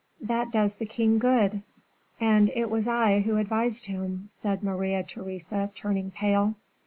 "That does the king good." "And it was I who advised him," said Maria Theresa, turning pale.